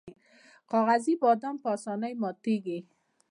کاغذي بادام په اسانۍ ماتیږي.